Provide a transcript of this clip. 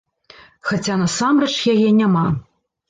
Хаця насамрэч яе няма.